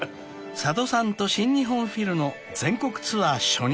［佐渡さんと新日本フィルの全国ツアー初日］